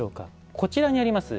こちらにあります